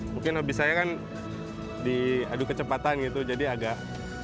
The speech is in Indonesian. mungkin habis saya kan diadu kecepatan gitu jadi agak